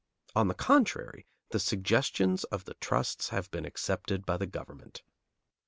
On the contrary, the suggestions of the trusts have been accepted by the government.